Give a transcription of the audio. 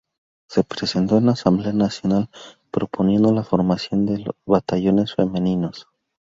Se presentó en la Asamblea Nacional proponiendo la formación de batallones femeninos.